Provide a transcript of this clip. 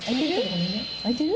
開いてる？